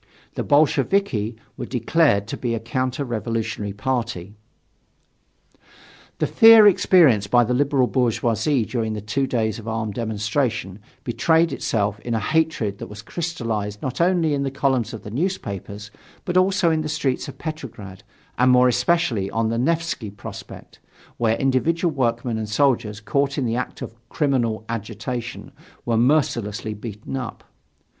The Bolsheviki were declared to be a counter revolutionary party. The fear experienced by the liberal bourgeoisie during the two days of armed demonstration betrayed itself in a hatred that was crystallized not only in the columns of the newspapers, but also in the streets of Petrograd, and more especially on the Nevsky Prospect, where individual workmen and soldiers caught in the act of "criminal" agitation were mercilessly beaten up.